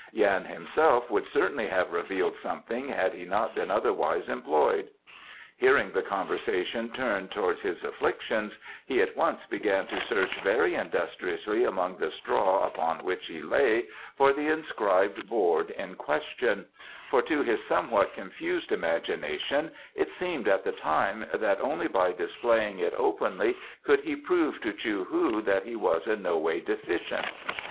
Yan himself would certainly have revealed something had he not been otherwise employed. Hearing the conversation turn towards his afflictions, he at once began to search very industriously among the straw upon which he lay for the inscribed board in question; for to his somewhat confused imagination it seemed at the time that only by displaying it openly could he prove to Chou hu that he was in no way deficient.